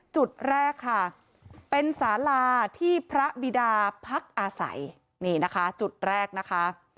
จุดแรกค่ะเป็นสาลาที่พระบิดาพักอาศัยนี่นะคะจุดแรกนะคะ